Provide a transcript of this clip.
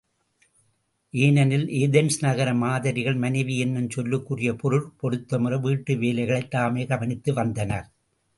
ஏனெனில் ஏதென்ஸ் நகர மாதரிகள் மனைவி என்னும் சொல்லுக்குரிய பொருட் பொருத்தமுற வீட்டு வேலைகளைத் தாமே கவனித்து வந்தனர்.